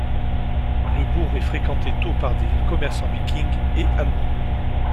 Le bourg est fréquenté tôt par des commerçants vikings et allemands.